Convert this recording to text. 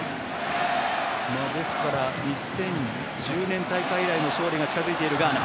ですから、２０１０年大会以来の勝利が近づいているガーナ。